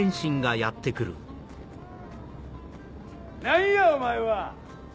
何やお前は！